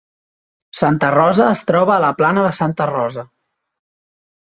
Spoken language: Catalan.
Santa Rosa es troba a la plana de Santa Rosa.